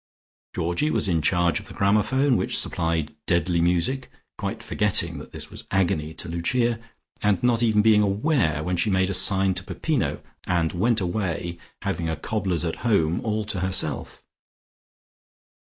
Georgie was in charge of the gramophone which supplied deadly music, quite forgetting that this was agony to Lucia, and not even being aware when she made a sign to Peppino, and went away having a cobbler's at home all to herself.